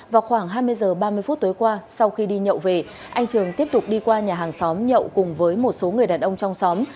vào khoảng hai mươi h ba mươi phút tối qua sau khi đi nhậu về anh trường tiếp tục đi qua nhà hàng xóm nhậu cùng với một số người đàn ông trong xóm